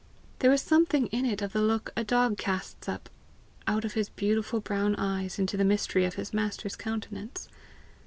There was something in it of the look a dog casts up out of his beautiful brown eyes into the mystery of his master's countenance.